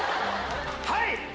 はい！